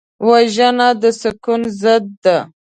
وژنه د سکون ضد ده